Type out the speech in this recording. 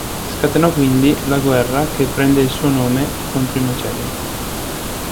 Scatenò quindi la guerra che prende il suo nome contro i Macedoni.